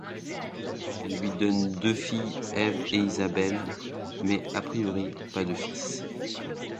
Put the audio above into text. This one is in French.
Elle lui donne deux filles Eve et Isabelle mais, a priori, pas de fils.